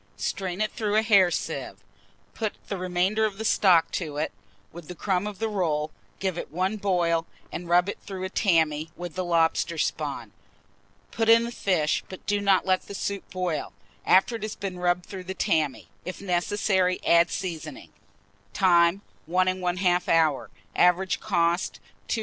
Strain it through a hair sieve, put the remainder of the stock to it, with the crumb of the rolls; give it one boil, and rub it through a tammy, with the lobster spawn. Put in the fish, but do not let the soup boil, after it has been rubbed through the tammy. If necessary, add seasoning. Time. 1 1/2 hour. Average cost, 2s.